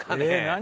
何？